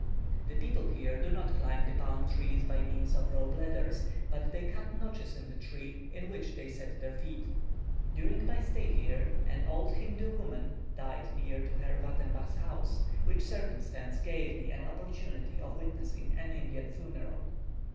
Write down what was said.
The people here do not climb the palm trees by means of rope ladders, but they cut notches in the tree, in which they set their feet. During my stay here, an old Hindoo woman died near to Herr Wattenbach's house, which circumstance gave me an opportunity of witnessing an Indian funeral.